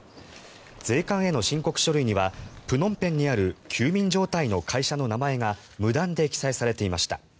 税関への申告書類にはプノンペンにある休眠状態の会社の名前が無断で記載されていました。